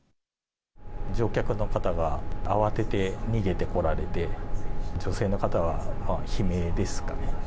乗客の方が慌てて逃げてこられて、女性の方は悲鳴ですかね。